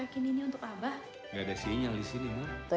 gak ada sinyal di sini